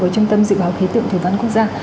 và trung tâm dự báo khí tượng thủ văn quốc gia